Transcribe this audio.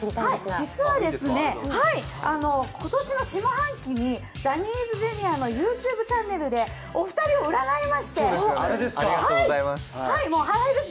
実は今年の下半期にジャニーズＪｒ．のＹｏｕＴｕｂｅチャンネルでお二人を占いました。ＨｉＨｉＪｅｔｓ